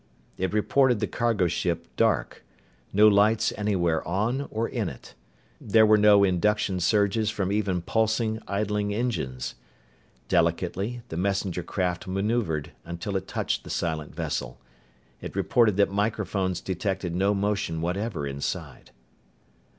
It reported the cargo ship dark. No lights anywhere on or in it. There were no induction surges from even pulsing, idling engines. Delicately, the messenger craft maneuvered until it touched the silent vessel. It reported that microphones detected no motion whatever inside.